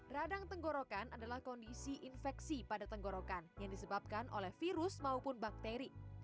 radang tenggorokan adalah kondisi infeksi pada tenggorokan yang disebabkan oleh virus maupun bakteri